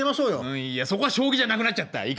うんそこは将棋じゃなくなっちゃった。